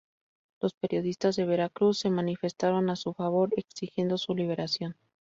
Los periodistas de Veracruz se manifestaron a su favor exigiendo su liberación.